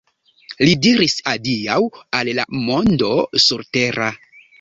Li diris adiaŭ al la mondo surtera.